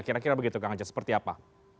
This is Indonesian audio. kira kira begitu kang ajat seperti apa